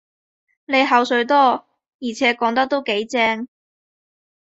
你口水多，而且講得都幾正